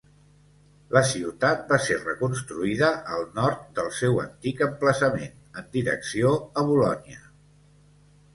La ciutat va ser reconstruïda al nord del seu antic emplaçament, en direcció a Bolonya.